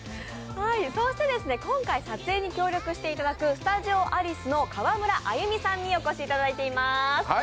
そして今回撮影に協力していただくスタジオアリスの河村亜由美さんにお越しいただいています。